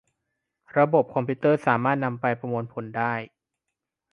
ระบบคอมพิวเตอร์สามารถนำไปประมวลผลได้